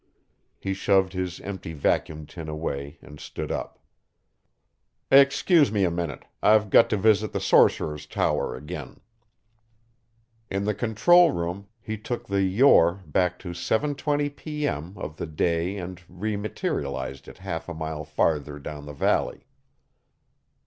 He shoved his empty vacuum tin away and stood up. "Excuse me a minute I've got to visit the sorcerer's tower again." In the control room, he took the Yore back to 7:20 p.m. of the same day and re materialized it half a mile farther down the valley.